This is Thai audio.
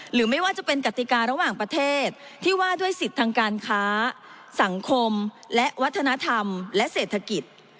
หรือไม่ว่าจะเป็นกติการะหว่างประเทศที่ว่าด้วยสิทธิ์ทางการค้าสังคมและวัฒนธรรมและเศรษฐกิจ